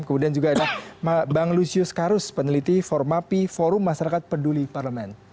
kemudian juga ada bang lusius karus peneliti formapi forum masyarakat peduli parlemen